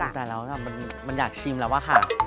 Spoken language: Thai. หน่อยตายแล้วค่ะเป็นอยากชิมแล้วค่ะ